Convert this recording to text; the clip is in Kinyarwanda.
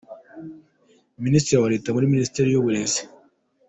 Minisitiri wa Leta muri Minisiteri y’Uburezi,